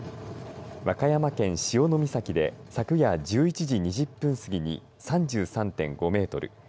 和歌山県潮岬で昨夜１１時２０分過ぎに３３．５メートル